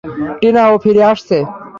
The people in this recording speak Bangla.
টিনা, ও ফিরে আসছে।